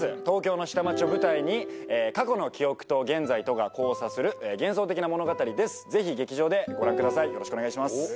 東京の下町を舞台に過去の記憶と現在とが交差する幻想的な物語です